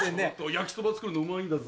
焼きそば作るのうまいんだぞ。